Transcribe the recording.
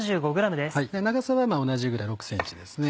長さは同じぐらい６ｃｍですね。